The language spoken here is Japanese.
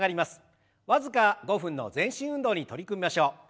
僅か５分の全身運動に取り組みましょう。